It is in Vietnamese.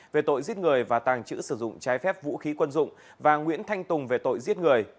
về tội giết người và tàng trữ sử dụng trái phép vũ khí quân dụng và nguyễn thanh tùng về tội giết người